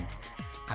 bahwa mereka adalah